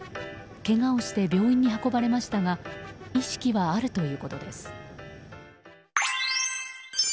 けがをして病院に運ばれましたが意識はあるということです。